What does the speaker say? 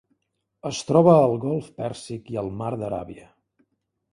Es troba al Golf Pèrsic i al Mar d'Aràbia.